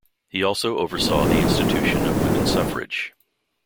He also oversaw the institution of women's suffrage.